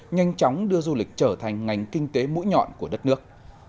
nhanh chóng đưa du lịch trở thành ngành kinh tế mũi nhọn của đất nước